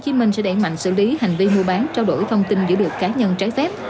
công an tp hcm sẽ đẩy mạnh xử lý hành vi mua bán trao đổi thông tin giữa được cá nhân trái phép